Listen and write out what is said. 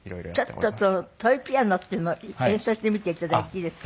ちょっとそのトイピアノっていうのを演奏してみて頂いていいですか？